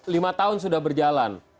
lima tahun sudah berjalan